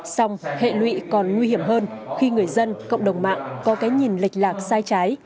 xong hệ lụy còn nguy hiểm hơn khi người dân cộng đồng mạng có cái nhìn lệch lạc sai trái